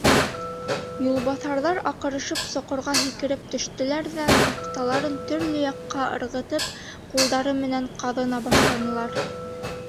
Юлбаҫарҙар аҡырышып соҡорға һикереп төштөләр ҙә таҡталарын төрлө яҡҡа ырғытып ҡулдары менән ҡаҙына башланылар.